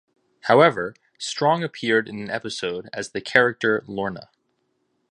However, Strong appeared in an episode as the character Lorna.